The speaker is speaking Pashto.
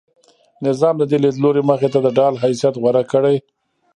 نظام د دې لیدلوري مخې ته د ډال حیثیت غوره کړی.